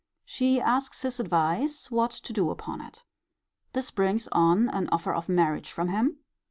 She asks his advice what to do upon it. This brings on an offer of marriage from him.